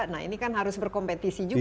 nah ini kan harus berkompetisi juga